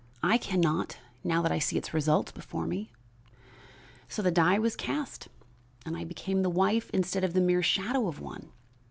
I can not, now that I see its results before me. "So the die was cast and I became a wife instead of the mere shadow of one.